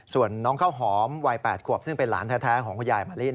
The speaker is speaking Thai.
ส่วนน้องข้าวหอมวัย๘ขวบซึ่งเป็นหลานแท้ของคุณยายมะลิ